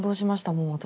もう私。